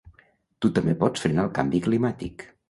Tu també pots frenar el canvi climàtic.